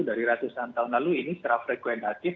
dari ratusan tahun lalu ini secara frekuentatif